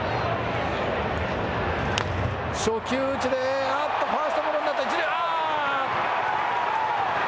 初球打ちで、あっと、ファーストゴロになった、１塁、ああー。